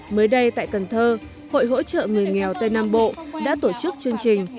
mới đây tại cần thơ hội hỗ trợ người nghèo tây nam bộ đã tổ chức chương trình